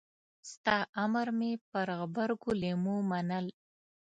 ستا امر مې پر غبرګو لېمو منل.